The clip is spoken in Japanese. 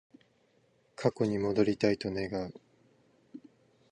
過去に戻りたいと願う